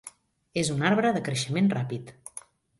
És un arbre de creixement ràpid.